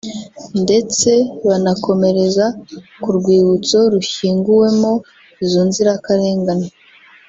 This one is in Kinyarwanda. ndetse banakomereza ku rwibutso rushyinguwemo izo nzirakarengane